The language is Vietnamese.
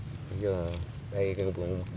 bây giờ đây là bụng